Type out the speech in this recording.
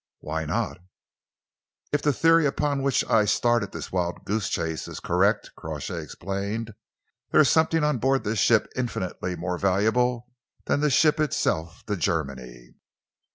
"Why not?" "If the theory upon which I started this wild goose chase is correct," Crawshay explained, "there is something on board this ship infinitely more valuable than the ship itself to Germany.